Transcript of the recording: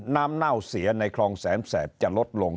เน่าเสียในคลองแสนแสบจะลดลง